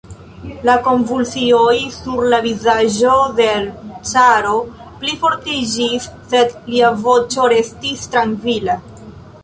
La konvulsioj sur la vizaĝo de l' caro plifortiĝis, sed lia voĉo restis trankvila.